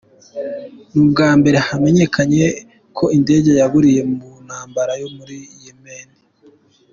N’ubwa mbere hamenyekanye ko indege yaburiye mu ntambara yo muri Yemen.